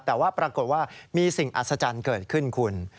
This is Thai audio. แต่ว่าปรากฏว่ามีสิ่งอัศจรรย์เกิดขึ้นคุณ